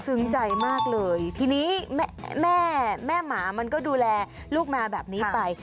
ใจมากเลยทีนี้แม่แม่หมามันก็ดูแลลูกมาแบบนี้ไป